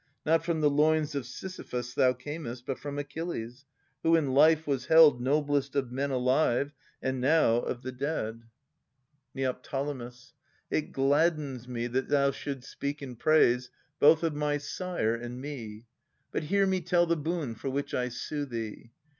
Not from the loins of Sis3rphus thou earnest. But from Achilles, who in life was held Noblest of men alive, and now o' the dead. 314 Philodetes [1314 1342 Neo. It gladdens me that thou shouldst speak in praise Both of my sire and me. But hear me tell The boon for which I sue thee.